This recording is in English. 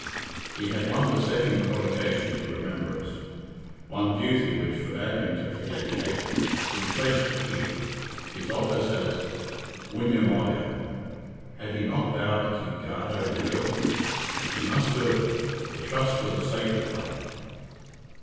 He had one besetting provocation to remembrance one duty which forbade him to forget Kate his pledge to Pete, his office as Dooiney Molla. Had he not vowed to keep guard over the girl? He must do it. The trust was a sacred one.